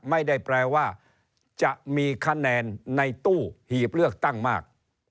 ไม่ได้แปลว่าจะมีคะแนนในตู้หีบเลือกตั้งมาก